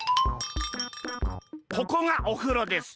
ここがおふろです。